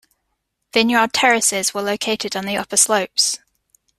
Vineyard terraces were located on the upper slopes.